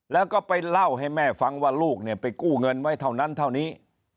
แล้วก็ไปเล่าให้แม่ฟังว่าลูกเนี่ยไปกู้เงินไว้เท่านั้นเท่านี้